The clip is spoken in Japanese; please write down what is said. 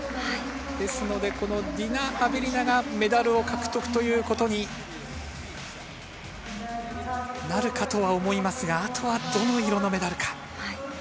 ですのでディナ・アベリナがメダル獲得ということになるかとは思いますが、あとはどの色のメダルか。